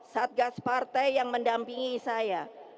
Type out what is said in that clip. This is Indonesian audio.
satgas partai yang mendampingi saya